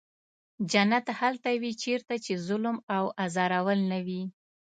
جنت هلته وي چېرته چې ظلم او ازارول نه وي.